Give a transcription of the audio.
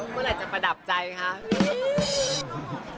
เมื่อไหร่จะประดับใจคะ